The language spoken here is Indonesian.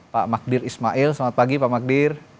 pak magdir ismail selamat pagi pak magdir